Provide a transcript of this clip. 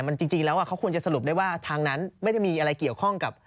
มันจริงแล้วเขาควรจะสรุปได้ว่าทางนั้นไม่ได้มีอะไรเกี่ยวข้องกับ